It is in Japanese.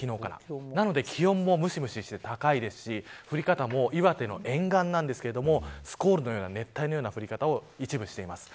なので、気温もむしむしして高いですし降り方も岩手の沿岸なんですがスコールのような熱帯のような降り方を一部しています。